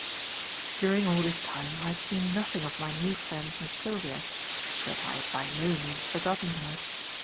During all this time I had seen nothing of my new friend Miss Sylvia. But I had by no means forgotten her.